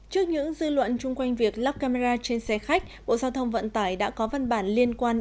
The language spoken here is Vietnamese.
trước những dư luận chung quanh việc lắp camera trên xe khách bộ giao thông vận tải đã có văn bản liên quan